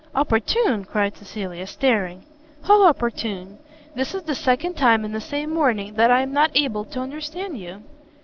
"Opportune?" cried Cecilia, staring, "how opportune? this is the second time in the same morning that I am not able to understand you!"